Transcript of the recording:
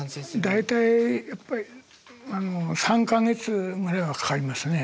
大体やっぱり３か月ぐらいはかかりますね。